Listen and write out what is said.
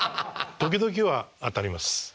時々は当たります。